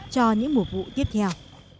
cho những mùa vụ tiếp theo